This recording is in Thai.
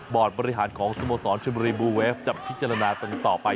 บอร์ดบริหารของสมสรฟุตซอลชนบุรีบูรีบูเวฟจะพิจารณาต่อไป